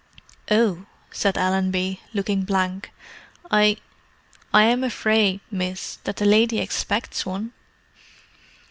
"Oh!" said Allenby, looking blank. "I—I am afraid, miss, that the lady expects one."